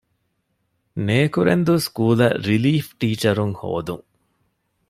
ނޭކުރެންދޫ ސްކޫލަށް ރިލީފް ޓީޗަރުން ހޯދުން